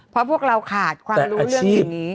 เพราะพวกเราขาดความรู้เรื่องสิ่งนี้